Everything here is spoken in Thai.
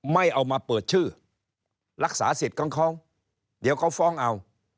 ไม่เอามาเปิดชื่อรักษาสิทธิ์ของเขาเดี๋ยวเขาฟ้องเอา